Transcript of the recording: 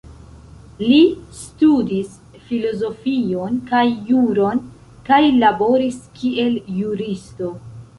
Li studis filozofion kaj juron kaj laboris kiel juristo.